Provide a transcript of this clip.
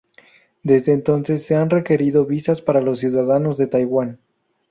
Desde entonces se han requerido visas para los ciudadanos de Taiwán.